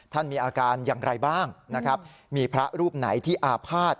ท่านมีอาการอย่างไรบ้างมีพระรูปไหนที่อาภาษณ์